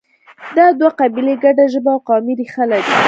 دا دوه قبیلې ګډه ژبه او قومي ریښه لري